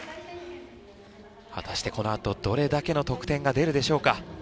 果たしてこのあとどれだけの得点が出るでしょうか？